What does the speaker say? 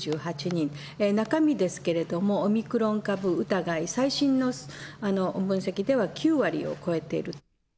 中身ですけれども、オミクロン株疑い、最新の分析では、９割を超えている。